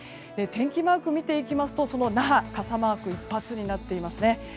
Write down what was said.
天気マークを見ていきますとその那覇は傘マーク一発になっていますね。